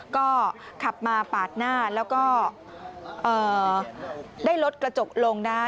ก็ขับมาปาดหน้าแล้วก็ได้ลดกระจกลงนะฮะ